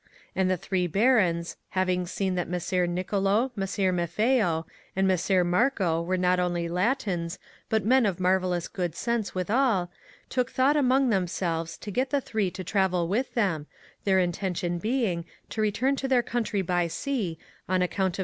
And the three Barons, having seen that Messer Nicolo, Messer Maffeo, and Messer Marco were not only Latins, but men of marvellous good sense withal, took thouuht amoncr themselves to get the three to travel with them, their intention being to return to their country by sea, on account of the CiiAi>.